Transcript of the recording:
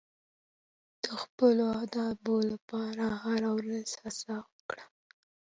د خپلو اهدافو لپاره هره ورځ هڅه وکړه.